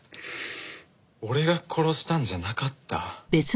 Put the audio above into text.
俺が殺したんじゃなかった？